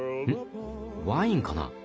ワインかな？